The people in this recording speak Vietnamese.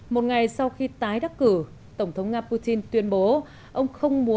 một ngày sau khi tái đắc cử tổng thống nga putin tuyên bố ông không muốn